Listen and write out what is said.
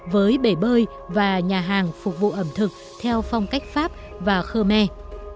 với bể bơi và nhà hàng phục vụ ẩm thực theo phong cách pháp và khmer